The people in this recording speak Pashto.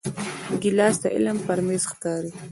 ګیلاس د علم پر میز ښکاري.